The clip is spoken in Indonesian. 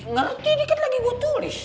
ngerti dikit lagi gue tulis